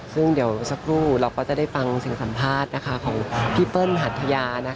ซึ่งเดี๋ยวสักครู่เราก็จะได้ฟังเสียงสัมภาษณ์ของพี่เปิ้ลหัทยา